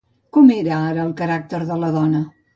Com era ara el caràcter de la dona?